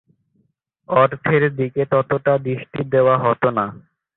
অর্থের দিকে ততটা দৃষ্টি দেয়া হতো না।